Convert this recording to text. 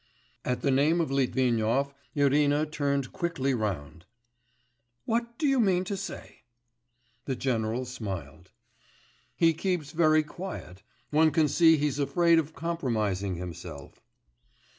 At the name of Litvinov, Irina turned quickly round. 'What do you mean to say?' The general smiled. 'He keeps very quiet ... one can see he's afraid of compromising himself.